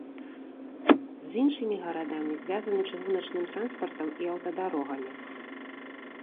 З іншымі гарадамі звязаны чыгуначным транспартам і аўтадарогамі.